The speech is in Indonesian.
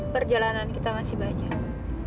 perjalanan kita masih banyak